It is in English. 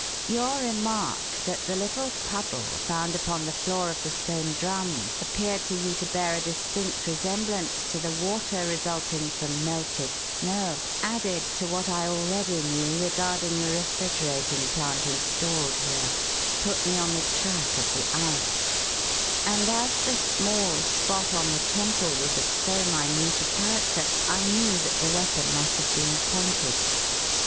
Your remark that the little puddle found upon the floor of the Stone Drum appeared to you to bear a distinct resemblance to the water resulting from melted snow, added to what I already knew regarding the refrigerating plant installed here, put me on the track of the ice; and as the small spot on the temple was of so minute a character, I knew that the weapon must have been pointed.